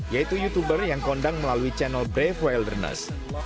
yaitu youtuber yang kondang melalui channel brave wilderness